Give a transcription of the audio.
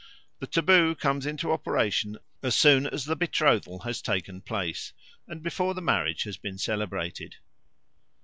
The taboo comes into operation as soon as the betrothal has taken place and before the marriage has been celebrated.